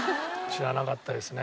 知らなかったですね。